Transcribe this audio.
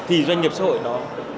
thì doanh nghiệp xã hội đóng góp